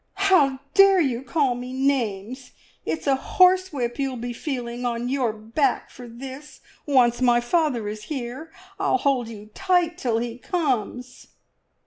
"How dare you call me names! It's a horsewhip you'll be feeling on your back for this, once my father is here. I'll hold you tight till he comes!"